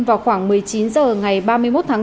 vào khoảng một mươi chín h ngày ba mươi một tháng bốn